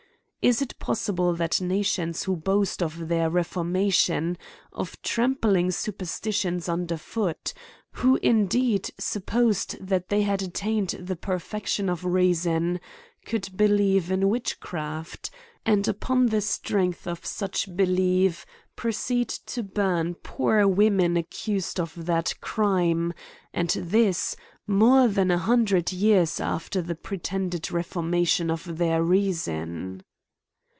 Is it possible that nations who boast of their reformation ; of trampling superstition under foot; who, indeed, supposed that they had attained the perfection of reason, could believe in witchcraft ; and, upon the strength of such belief, proceed to burn poor women accused of that crime, and this, more than an hundred years after the pretended reformation of their reason